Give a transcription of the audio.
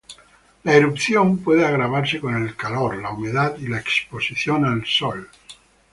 La erupción puede agravarse con el calor, la humedad y la exposición al sol.